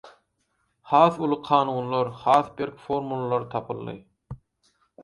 Has uly kanunlar, has berk formulalar tapyldy